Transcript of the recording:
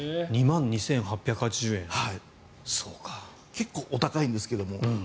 結構お高いんですけど。